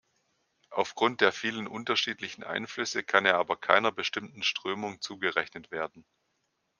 Auf Grund der vielen unterschiedlichen Einflüsse kann er aber keiner bestimmten Strömung zugerechnet werden.